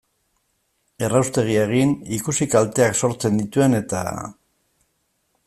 Erraustegia egin, ikusi kalteak sortzen dituen eta...